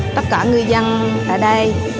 tất cả ngư dân ở đây